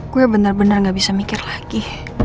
gue bener bener gak bisa mikir lagi